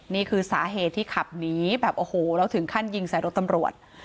นี่คือสาเหตุที่ขับหนีแบบโอ้โหแล้วถึงขั้นยิงใส่รถตำรวจ